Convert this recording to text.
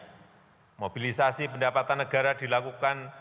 dengan peningkatan pendapatan negara di atas